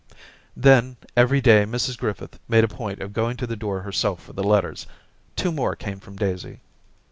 Then every day Mrs Griffith made a point of going to the door herself for the letters. Two more came from Daisy.